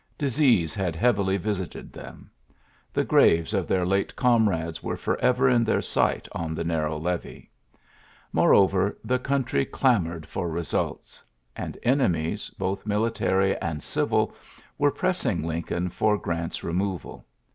Disease had heavily visited them. The graves of their late comrades were forever in their sight on the narrow levee. Moreover, the country clam oured for results; and enemies, both military and civil, were pressing Lin coln for Grant's removal.